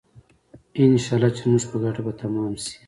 انشاالله چې زموږ په ګټه به تمام شي.